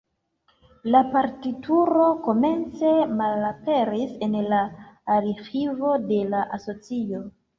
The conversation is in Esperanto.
La partituro komence malaperis en la arĥivo de la asocio.